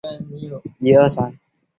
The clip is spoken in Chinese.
康熙二十八年升贵州黔西州知州。